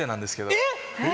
えっ！